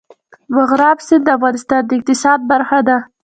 مورغاب سیند د افغانستان د اقتصاد برخه ده.